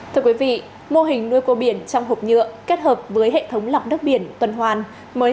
thưa quý vị mô hình nuôi cua biển trong hộp nhựa kết hợp với hệ thống lọc nước biển tuần hoàn mới